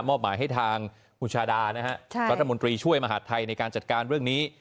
มอบหมายให้ทางคุณชาดานะฮะรัฐมนตรีช่วยมหาดไทยในการจัดการเรื่องนี้